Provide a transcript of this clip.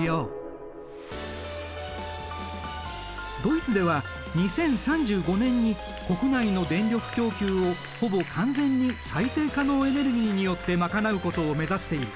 ドイツでは２０３５年に国内の電力供給をほぼ完全に再生可能エネルギーによって賄うことを目指している。